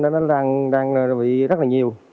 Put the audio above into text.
nó đang bị rất là nhiều